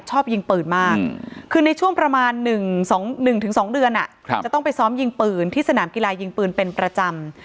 ชอบยิงปืนมากคือในช่วงประมาณ๑๒เดือนจะต้องไปซ้อมยิงปืนที่สนามกีฬายิงปืนเป็นประจำ